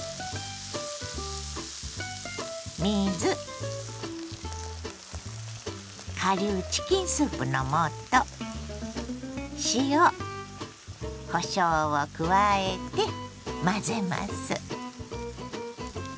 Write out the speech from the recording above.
水顆粒チキンスープの素塩こしょうを加えて混ぜます。